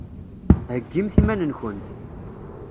Heggimt iman-nkent.